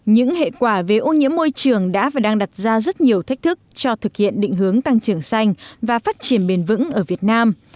những hệ quả về ô nhiễm môi trường đã và đang đặt ra rất nhiều thách thức cho thực hiện định hướng tăng trưởng xanh và phát triển bền vững ở việt nam